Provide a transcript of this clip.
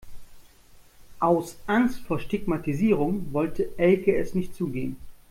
Aus Angst vor Stigmatisierung wollte Elke es nicht zugeben.